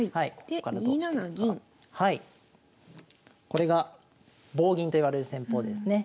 これが棒銀といわれる戦法ですね。